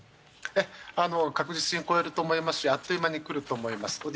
確実に超えると思いますし、あっという間に増えると思います。